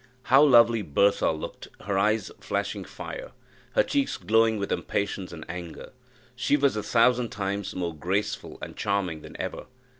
How lovely Bertha looked! her eyes flashing fire, her cheeks glowing with impatience and anger, she was a thousand times more graceful and charming than ever.